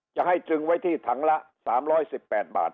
จะให้ตรึงไว้ที่ถังละ๓๑๘บาท